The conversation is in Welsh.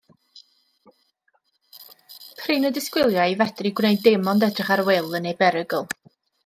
Prin y disgwyliai fedru gwneud dim ond edrych ar Wil yn ei berygl.